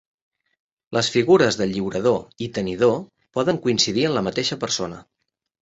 Les figures del lliurador i tenidor poden coincidir en la mateixa persona.